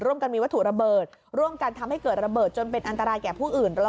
กันมีวัตถุระเบิดร่วมกันทำให้เกิดระเบิดจนเป็นอันตรายแก่ผู้อื่น